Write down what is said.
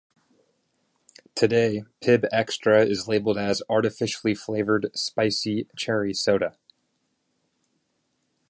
Today Pibb Xtra is labeled as "artificially flavored spicy cherry soda".